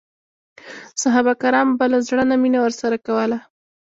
صحابه کرامو به له زړه نه مینه ورسره کوله.